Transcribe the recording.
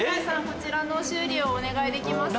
こちらの修理をお願いできますか？